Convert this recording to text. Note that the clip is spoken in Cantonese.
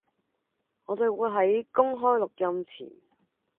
我們會在公開錄音檔前